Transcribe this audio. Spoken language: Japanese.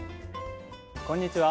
こんにちは。